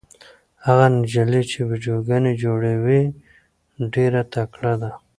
هغه نجلۍ چې ویډیوګانې جوړوي ډېره تکړه ده.